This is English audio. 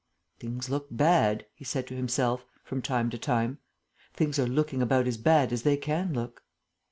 "Things look bad," he said to himself, from time to time. "Things are looking about as bad as they can look."